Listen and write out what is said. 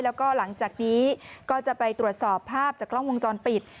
แล้วก็หลังจากนี้ก็จะไปตรวจสอบภาพจากกล้องวงจรปิด